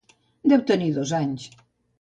Deu tenir dos anys.